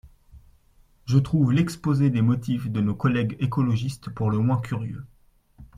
Je trouve l’exposé des motifs de nos collègues écologistes pour le moins curieux.